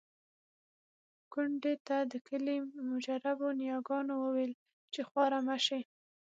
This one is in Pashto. کونډې ته د کلي مجربو نياګانو وويل چې خواره مه شې.